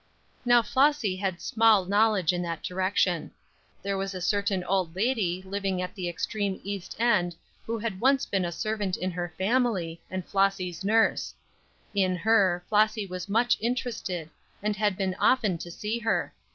Now Flossy had small knowledge in that direction. There was a certain old lady living at the extreme east end who had once been a servant in their family, and Flossy's nurse. In her, Flossy was much interested, and had been often to see her.